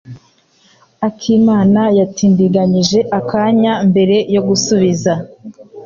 Akimana yatindiganyije akanya mbere yo gusubiza.